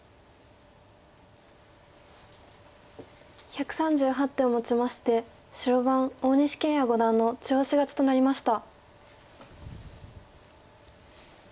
１３８手をもちまして白番大西研也五段の中押し勝ちとなりました。